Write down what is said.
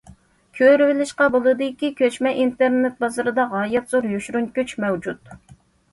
كۆرۈۋېلىشقا بولىدۇكى، كۆچمە ئىنتېرنېت بازىرىدا غايەت زور يوشۇرۇن كۈچ مەۋجۇت.